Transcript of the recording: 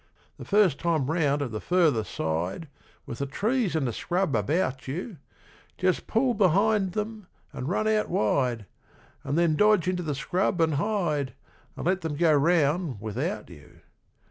'The first time round at the further side, With the trees and the scrub about you, Just pull behind them and run out wide And then dodge into the scrub and hide, And let them go round without you.